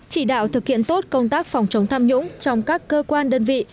chỉ đạo thực hiện tốt công tác phòng chống tham nhũng trong các cơ quan đơn vị